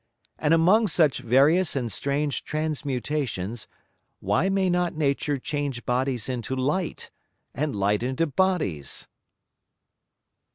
And among such various and strange Transmutations, why may not Nature change Bodies into Light, and Light into Bodies?